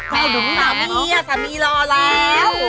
กาวหนักนี่สามีรอแล้ว